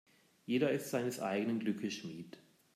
Jeder ist seines eigenen Glückes Schmied.